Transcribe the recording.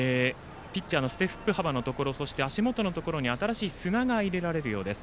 おなじみの皆様ですがピッチャーのステップ幅のところ足元のところに新しい砂が入れられるようです。